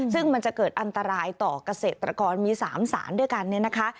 ซึ่งมันจะเกิดอันตรายต่อกเกษตรกรมี๓สารด้วยกัน